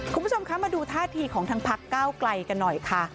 คุณผู้ชมคะมาดูท่าทีของทางพักเก้าไกลกันหน่อยค่ะ